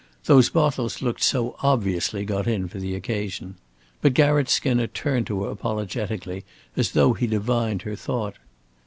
Those bottles looked so obviously got in for the occasion. But Garratt Skinner turned to her apologetically, as though he divined her thought.